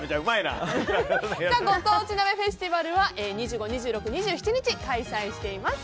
ご当地鍋フェスティバルは２５、２６、２７日開催しています。